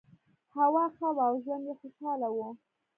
هوا ښه وه او ژوند یې خوشحاله و.